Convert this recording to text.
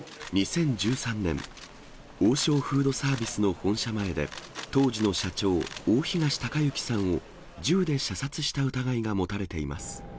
２０１３年、王将フードサービスの本社前で、当時の社長、大東隆行さんを銃で射殺した疑いが持たれています。